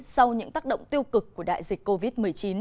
sau những tác động tiêu cực của đại dịch covid một mươi chín